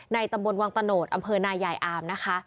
ตำบลวังตะโนธอำเภอนายายอามนะคะ